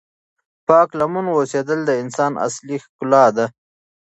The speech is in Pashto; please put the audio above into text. پاک لمن اوسېدل د انسان اصلی ښکلا ده.